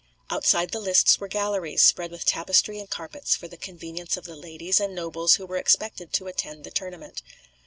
Outside the lists were galleries, spread with tapestry and carpets, for the convenience of the ladies and nobles who were expected to attend the tournament.